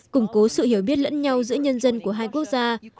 củng cố sự hiểu biết lẫn nhau giữa nhân dân của hai quốc gia